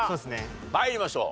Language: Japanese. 参りましょう。